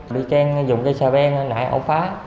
bị khen dùng cây xà ben nãy ổn phá